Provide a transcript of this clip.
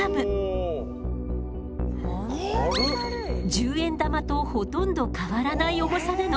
十円玉とほとんど変わらない重さなの。